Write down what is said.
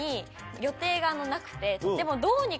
でも。